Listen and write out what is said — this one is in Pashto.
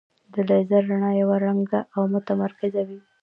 د لیزر رڼا یو رنګه او متمرکزه وي.